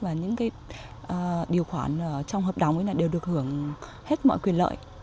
và những điều khoản trong hợp đồng đều được hưởng hết mọi quyền lợi